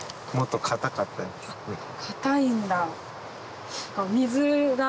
硬いんだ。